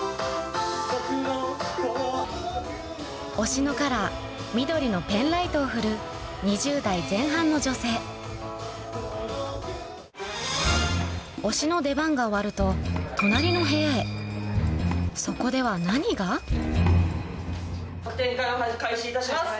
推しのカラー緑のペンライトを振る２０代前半の女性推しの出番が終わると隣の部屋へ特典会を開始いたします